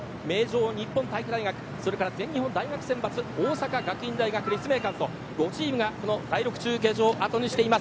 日本体育大学大阪桐蔭大学、立命館と５チームが第６中継所を後にしています。